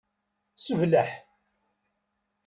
Sebleḥ.